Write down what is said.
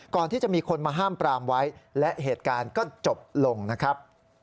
ก่อนที่จะมีคนมาห้ามปรามไว้และเหตุการณ์ก็จบลงนะครับ